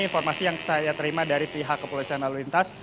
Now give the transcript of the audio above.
informasi yang saya terima dari pihak kepolisian lalu lintas